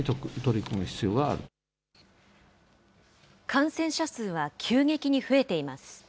感染者数は急激に増えています。